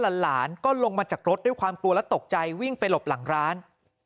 หลานก็ลงมาจากรถด้วยความกลัวและตกใจวิ่งไปหลบหลังร้าน